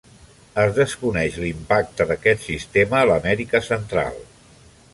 Es desconeix l'impacte d'aquest sistema a l'Amèrica Central.